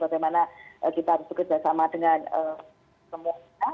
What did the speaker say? bagaimana kita harus bekerjasama dengan semua kita